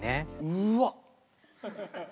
うわっ！